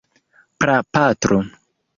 prapatro